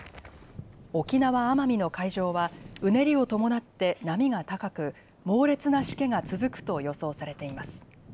沖縄・奄美の海上はうねりを伴って波が高く、猛烈なしけが続くと予想されています。